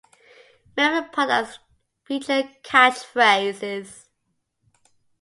Many of the products feature catch phrases.